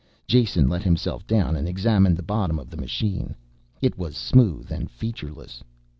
Jason let himself down and examined the bottom of the machine. It was smooth and featureless.